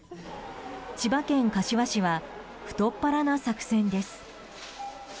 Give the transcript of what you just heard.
千葉県柏市は太っ腹な作戦です。